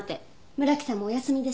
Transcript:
村木さんもお休みですし。